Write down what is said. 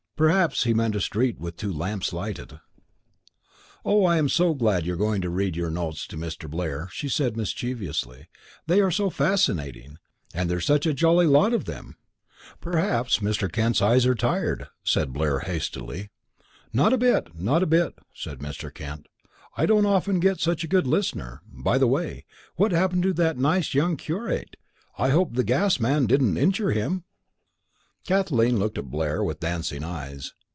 Perhaps he meant a street with two lamps lighted. "Oh, I'm so glad you're going to read your notes to Mr. Blair," she said, mischievously. "They are so fascinating, and there's such a jolly lot of them." "Perhaps Mr. Kent's eyes are tired?" said Blair, hastily. "Not a bit, not a bit!" said Mr. Kent. "I don't often get such a good listener. By the way, what happened to that nice young curate? I hope the gas man didn't injure him?" Kathleen looked at Blair with dancing eyes.